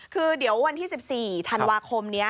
คือเดี๋ยววันที่๑๔ธันวาคมนี้